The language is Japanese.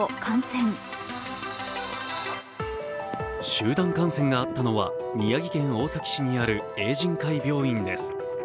集団感染があったのは宮城県大崎市にある永仁会病院です。